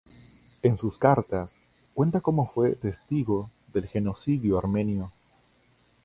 En sus cartas, cuenta cómo fue testigo del genocidio armenio.